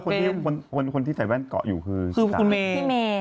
คนที่ใส่แว่นเกาะอยู่คือคือคุณเมย์พี่เมย์